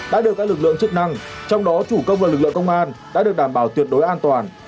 đã được các lực lượng chức năng trong đó chủ công và lực lượng công an đã được đảm bảo tuyệt đối an toàn